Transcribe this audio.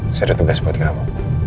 sudah ada tugas buat kamu